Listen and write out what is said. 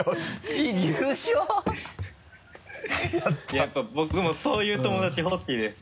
やっぱり僕もそういう友達欲しいです。